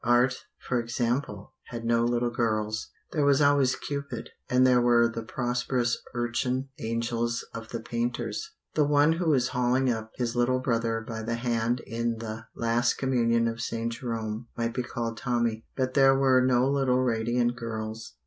Art, for example, had no little girls. There was always Cupid, and there were the prosperous urchin angels of the painters; the one who is hauling up his little brother by the hand in the "Last Communion of St. Jerome" might be called Tommy. But there were no "little radiant girls."